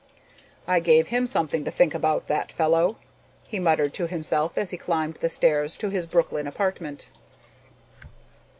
"I gave him something to think about, that fellow," he muttered to himself as he climbed the stairs to his Brooklyn apartment.